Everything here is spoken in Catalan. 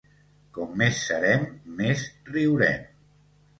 Com més serem, més riurem.